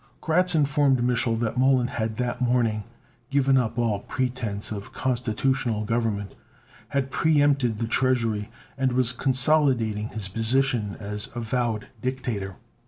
Kratz informed Mich'l that Mollon had that morning given up all pretense of constitutional government, had preempted the treasury, and was consolidating his position as avowed dictator.